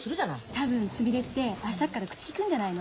多分すみれって明日っから口きくんじゃないの？